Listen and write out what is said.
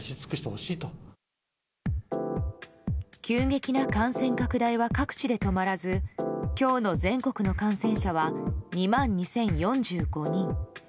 急激な感染拡大は各地で止まらず今日の全国の感染者は２万２０４５人。